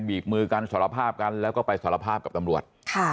ีบมือกันสารภาพกันแล้วก็ไปสารภาพกับตำรวจ